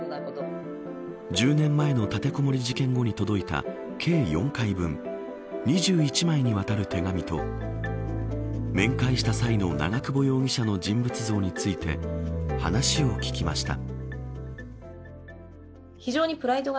１０年前の立てこもり事件後に届いた計４回分２１枚にわたる手紙と面会した際の長久保容疑者の人物像について話を聞きました。